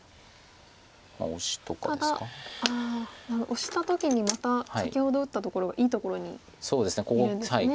オシた時にまた先ほど打ったところがいいところにいるんですね。